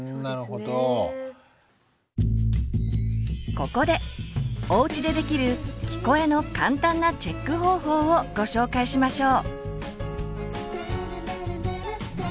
ここでおうちでできる「聞こえ」の簡単なチェック方法をご紹介しましょう。